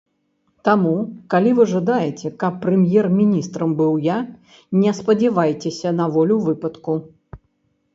Таму, калі вы жадаеце, каб прэм'ер-міністрам быў я, не спадзявайцеся на волю выпадку.